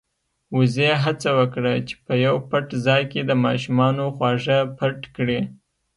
وزې هڅه وکړه چې په يو پټ ځای کې د ماشومانو خواږه پټ کړي.